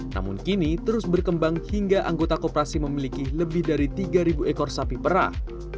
namun kini terus berkembang hingga anggota koperasi memiliki lebih dari tiga ekor sapi perah